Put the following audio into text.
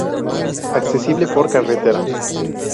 Accesible por carretera.